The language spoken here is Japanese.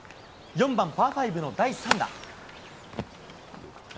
４番パー５の第３打。